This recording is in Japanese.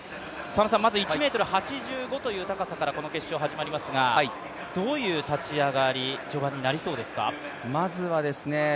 まず１ｍ８５という高さから始まりますが、どういう立ち上がり、序盤になりそうですか。